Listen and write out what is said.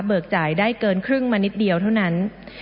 จ่ายได้เกินครึ่งมานิดเดียวเท่านั้น